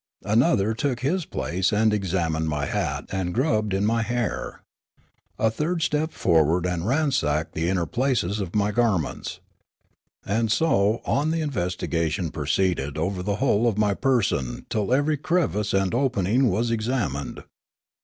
Another took his place and examined my hat and grubbed in my hair. A third stepped forward and ransacked the inner places of my garments. And so on the investigation proceeded over the whole of my person till every crevice and opening was examined.